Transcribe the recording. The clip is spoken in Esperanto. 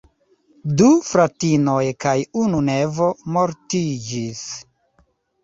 Du fratinoj kaj unu nevo mortiĝis.